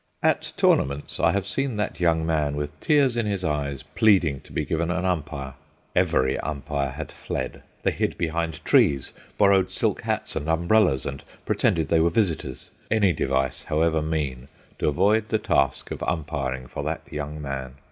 At tournaments I have seen that young man, with tears in his eyes, pleading to be given an umpire. Every umpire had fled. They hid behind trees, borrowed silk hats and umbrellas and pretended they were visitors—any device, however mean, to avoid the task of umpiring for that young man.